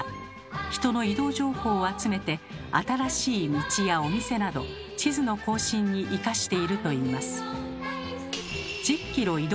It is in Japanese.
人の移動情報を集めて新しい道やお店など地図の更新にいかしているといいます。